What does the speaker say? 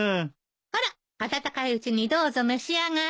ほら温かいうちにどうぞ召し上がれ。